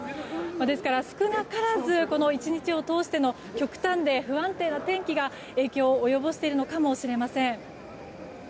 ですから、少なからずこの１日を通しての極端で不安定な天気が影響を及ぼしているのかもしれません。